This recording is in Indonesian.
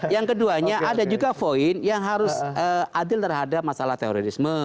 yang keduanya ada juga poin yang harus adil terhadap masalah terorisme